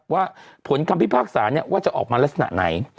ว่าผลคำพิพากษาว่าจะออกมาลักษณะไหน